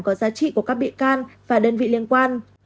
có giá trị của các bị can và đơn vị liên quan